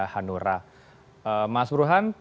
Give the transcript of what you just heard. hanura mas buruhan